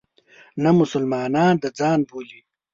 نه مسلمانان د ځان بولي.